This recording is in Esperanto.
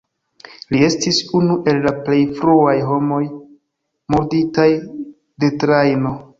Li estis unu el la plej fruaj homoj murditaj de trajno.